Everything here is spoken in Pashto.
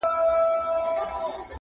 اوس یې زیارت ته په سېلونو توتکۍ نه راځي-